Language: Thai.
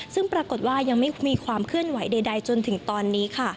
ซึ่งปรากฏว่ายังไม่มีความเคลื่อนไหวใดจนถึงตอนนี้ค่ะ